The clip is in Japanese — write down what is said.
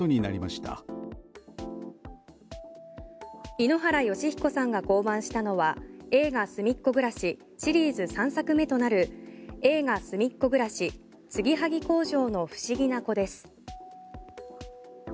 井ノ原快彦さんが降板したのは「映画すみっコぐらし」シリーズ３作目となる「映画すみっコぐらしツギハギ工場のふしぎなコ」です。